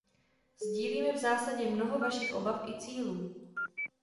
Sdílíme v zásadě mnoho vašich obav i cílů.